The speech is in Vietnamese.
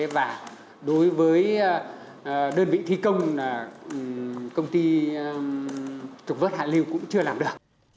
và đối với đơn vị thi công là công ty trục vớt hạ lưu cũng chưa làm được